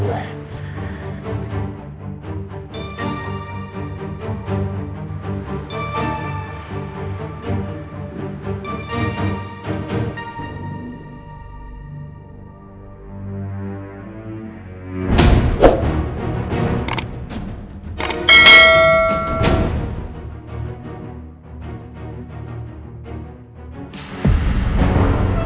di episode berikutnya